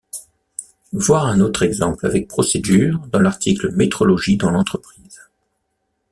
Voir un autre exemple avec procédure dans l'article Métrologie dans l'entreprise.